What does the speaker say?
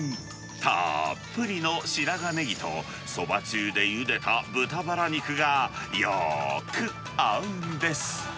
たっぷりの白髪ネギと、そばつゆでゆでた豚バラ肉がよーく合うんです。